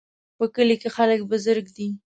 په کلي کې خلک بزګر دي